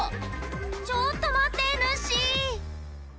ちょっと待って、ぬっしー！